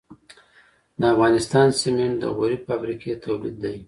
د افغانستان سمنټ د غوري فابریکې تولید دي